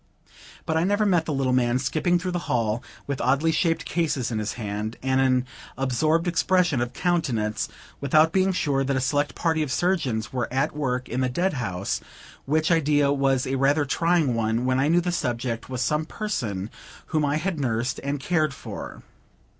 But I never met the little man skipping through the hall, with oddly shaped cases in his hand, and an absorbed expression of countenance, without being sure that a select party of surgeons were at work in the dead house, which idea was a rather trying one, when I knew the subject was some person whom I had nursed and cared for.